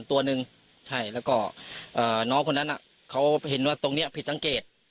ตัวหนึ่งใช่แล้วก็น้องคนนั้นเขาเห็นว่าตรงนี้ผิดสังเกต